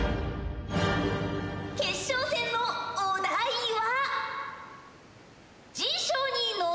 決勝戦のお題は。